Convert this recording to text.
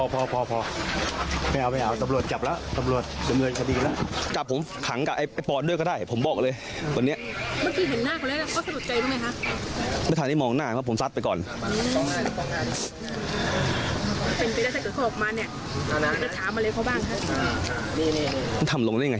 พี่ชายก็ช้ำใจและโกรธมากนะน้องชายทำแม่แบบนี้ได้ไง